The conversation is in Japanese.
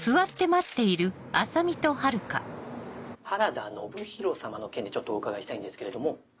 原田信博様の件でちょっとお伺いしたいんですけれども。